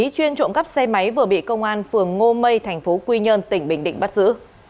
chuyên trộn cắp xe máy vừa bị công an phường ngô mây tp quy nhơn tỉnh bình định bắt giữ